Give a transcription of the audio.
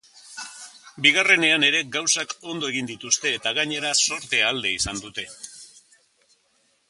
Bigarrenean ere gauzak ondo egin dituzte eta gainera zortea alde izan dute.